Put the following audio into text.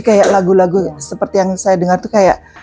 jadi kayak lagu lagu seperti yang saya dengar tuh kayak